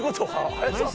林さん？